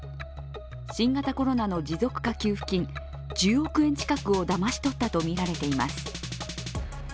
新型コロナの持続化給付金１０億円近くをだまし取ったとみられています。